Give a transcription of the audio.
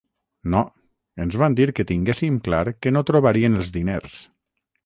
No, ens van dir que tinguéssim clar que no trobarien els diners.